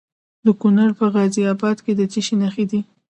د کونړ په غازي اباد کې د څه شي نښې دي؟